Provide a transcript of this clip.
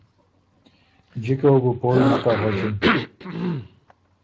جِکه وه بو پویٛ نک اغکِن۔